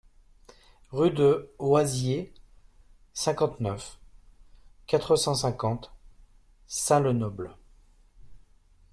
Rue de Waziers, cinquante-neuf, quatre cent cinquante Sin-le-Noble